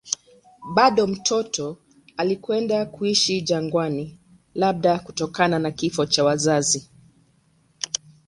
Bado mtoto alikwenda kuishi jangwani, labda kutokana na kifo cha wazazi.